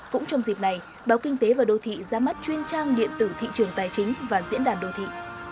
cũng trong dịp này báo kinh tế và đô thị ra mắt chuyên trang điện tử thị trường tài chính và diễn đàn đô thị